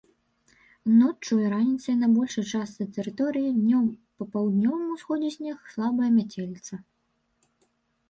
Ноччу і раніцай на большай частцы тэрыторыі, днём па паўднёвым усходзе снег, слабая мяцеліца.